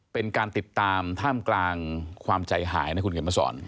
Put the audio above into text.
เป็นการติดตามท่ามกลางความใจหายนะคุณเขียนมาสอน